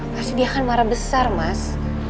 pasti dia akan marah besar mas